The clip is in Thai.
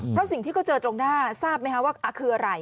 เพราะสิ่งที่เขาเจอตรงหน้าทราบไหมคะว่าคืออะไร